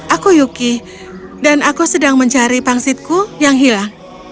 aku yuki dan aku sedang mencari pangsitku yang hilang